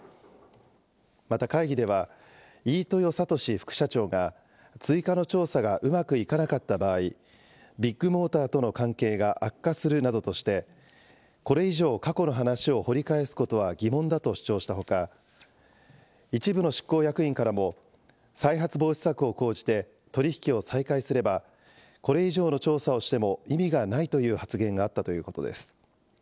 また会議では、飯豊聡副社長が追加の調査がうまくいかなかった場合、ビッグモーターとの関係が悪化するなどとして、これ以上、過去の話を掘り返すことは疑問だと主張したほか、一部の執行役員からも、再発防止策を講じて取り引きを再開すれば、これ以上の調査をしても意味がないという発言があったということです。